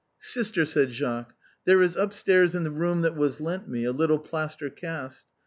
" Sister," said Jacques, " there is upstairs in the room that was lent me a little plaster cast.